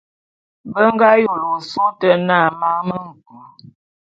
Be nga yôle ôsôé ôte na Man me nku.